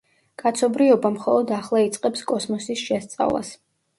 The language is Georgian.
კაცობრიობა მხოლოდ ახლა იწყებს კოსმოსის შესწავლას.